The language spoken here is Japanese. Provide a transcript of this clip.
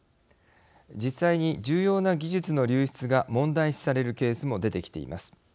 実際に重要な技術の流出が問題視されるケースも出てきています。